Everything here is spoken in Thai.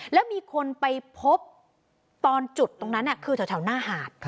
แล้วมีคนไปพบตอนจุดตรงนั้นคือแถวหน้าหาด